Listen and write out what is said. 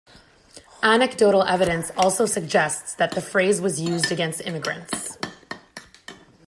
Anecdotal evidence also suggests that the phrase was used against immigrants.